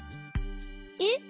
えっ！